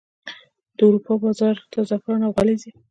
د اروپا بازار ته زعفران او غالۍ ځي